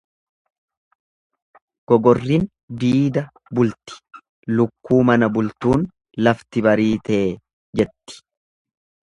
Gogorrin diida bulti lukkuu mana bultuun lafti bariitee? jetti.